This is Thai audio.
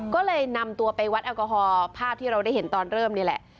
ก็เลยนำตัวไปวัดแอลกอฮอล์ภาพที่เราได้เห็นตอนเริ่มนี่แหละ